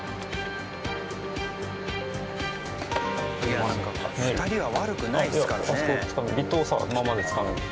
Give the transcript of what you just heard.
いやなんか２人は悪くないですからね。